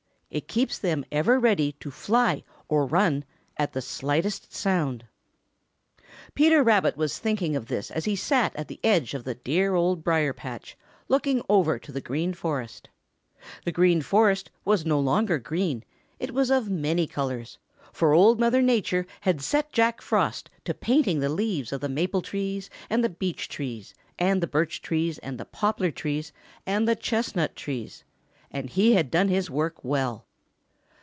It keeps them ever ready to fly or run at the slightest sound. Peter Rabbit was thinking of this as he sat at the edge of the dear Old Briar patch, looking over to the Green Forest. The Green Forest was no longer just green; it was of many colors, for Old Mother Nature had set Jack Frost to painting the leaves of the maple trees and the beech trees, and the birch trees and the poplar trees and the chestnut trees, and he had done his work well.